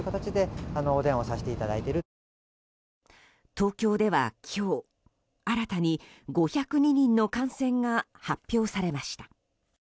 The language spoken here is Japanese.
東京では今日新たに５０２人の感染が発表されました。